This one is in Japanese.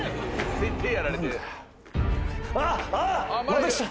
また来た。